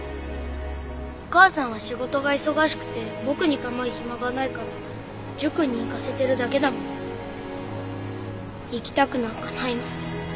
お母さんは仕事が忙しくて僕に構う暇がないから塾に行かせてるだけだもん。行きたくなんかないのに。